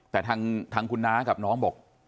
แต่ทางคุณน้ากับน้องบอก